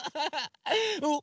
おっ！